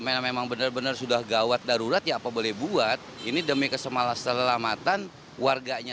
memang benar benar sudah gawat darurat ya apa boleh buat ini demi keselamatan warganya